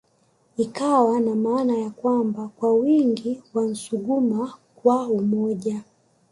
Ikiwa na maana ya kwamba kwa wingi na Nsuguma kwa umoja